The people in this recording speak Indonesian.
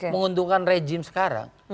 menguntungkan rejim sekarang